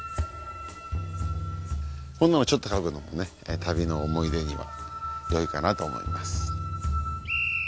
こんなのちょっと描くのもね旅の思い出にはよいかなと思います。